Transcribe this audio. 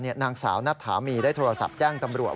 นางสาวนัทธามีได้โทรศัพท์แจ้งตำรวจ